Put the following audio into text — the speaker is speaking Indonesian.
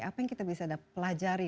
apa yang kita bisa pelajari